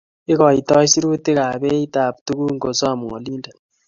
Igoitoi sirutikab beitab tuguk ngosom olindet